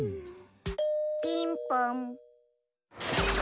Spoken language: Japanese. ピンポン。